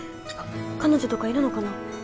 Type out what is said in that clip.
彼女とかいるのかな？